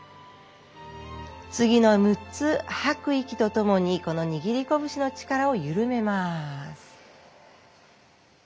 次の６つ吐く息とともにこの握り拳の力を緩めます。